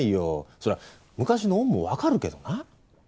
そら昔の恩もわかるけどな。